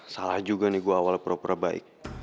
salah juga nih gua awal perbaik